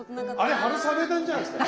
あれ春雨なんじゃないですか？